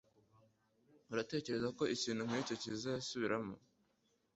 Uratekereza ko ikintu nkicyo kizisubiramo?